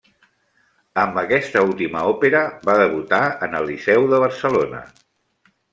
Amb aquesta última òpera va debutar en el Liceu de Barcelona.